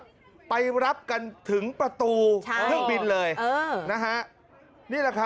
โอ้โหเห็นภาพนี้นึกถึงตอนภูเก็ตแซนบ็อกซ์จันทรา